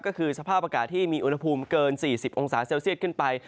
ก็คือสภาพอากาศที่มีอุณหภูมิเกิน๔๐องศาเซลเซียตขึ้นไป